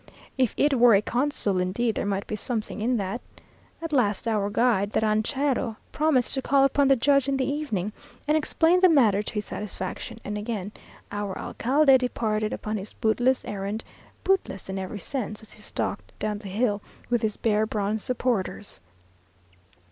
"If it were a Consul indeed, there might be something in that." At last our guide, the ranchero, promised to call upon the judge in the evening, and explain the matter to his satisfaction; and again our alcalde departed upon his bootless errand bootless in every sense, as he stalked down the hill with his bare bronze supporters.